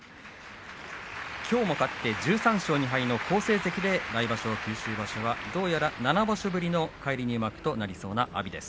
きょうも勝って１３勝２敗の好成績で来場所は九州場所はどうやら７場所ぶりの返り入幕となりそうな阿炎です。